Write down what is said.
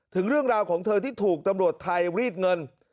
ถึงเรื่องราวของเธอที่ถูกตำรวจไทยรีดเงิน